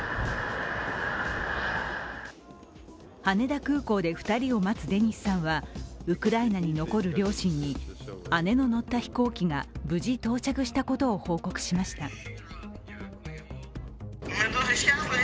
羽田空港で２人を待つデニスさんはウクライナに残る両親に姉の乗った飛行機が無事到着したことを報告しました。